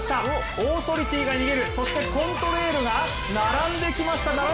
オーソリティが逃げるそしてコントレイルが並んできました。